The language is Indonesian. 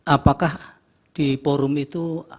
apakah di forum itu